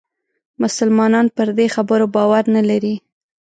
مسلمانان پر دې خبرو باور نه لري.